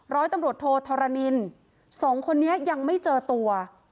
ร้อยตำรวจโทธรณินสองคนนี้ยังไม่เจอตัว